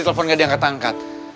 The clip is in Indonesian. telepon gak diangkat angkat